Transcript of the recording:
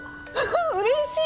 うれしい！